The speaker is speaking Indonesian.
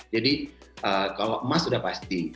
jadi kalau emas sudah pasti